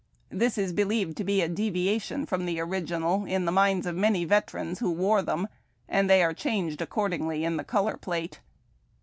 Tliis is believed to be a deviation from the original in the minds of many veterans who wore them, and they are changed accordingly in the color plate.